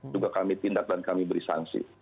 juga kami tindak dan kami beri sanksi